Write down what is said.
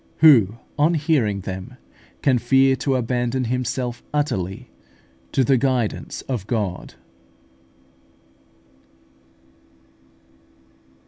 Who on hearing them can fear to abandon himself utterly to the guidance of God?